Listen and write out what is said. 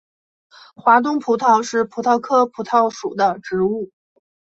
华东葡萄是葡萄科葡萄属的植物。